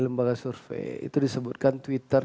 lembaga survei itu disebutkan twitter